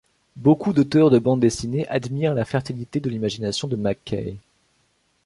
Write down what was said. Beaucoup d'auteurs de bande dessinée admirent la fertilité de l'imagination de McCay.